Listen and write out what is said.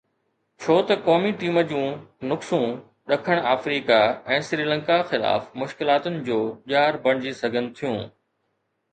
ڇو ته قومي ٽيم جون نقصون ڏکڻ آفريڪا ۽ سريلنڪا خلاف مشڪلاتن جو ڄار بڻجي سگهن ٿيون